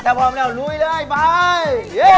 ถ้าพร้อมแล้วลุยเลยไป